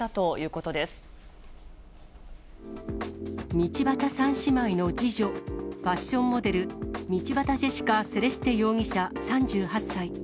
道端３姉妹の次女、ファッションモデル、道端ジェシカ・セレステ容疑者３８歳。